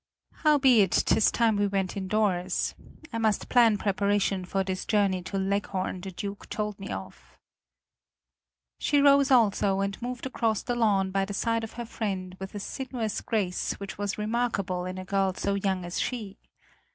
Howbeit 'tis time we went indoors. I must plan preparation for this journey to Leghorn the Duke told me of." She rose also, and moved across the lawn by the side of her friend with a sinuous grace which was remarkable in a girl so young as she.